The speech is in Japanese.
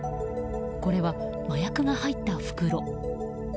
これは、麻薬が入った袋。